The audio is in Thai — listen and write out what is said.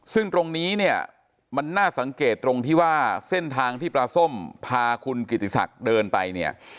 ซึ่งตรงนี้เนี่ยมันน่าสังเกตตรงที่ว่าเส้นทางที่ปลาส้มพาคุณกิติศักดิ์เดินไปเนี่ย